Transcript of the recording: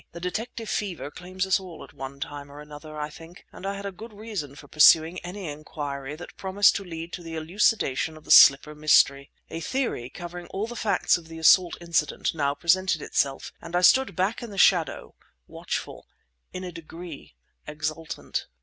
The detective fever claims us all at one time or another, I think, and I had good reason for pursuing any inquiry that promised to lead to the elucidation of the slipper mystery. A theory, covering all the facts of the assault incident, now presented itself, and I stood back in the shadow, watchful; in a degree, exultant.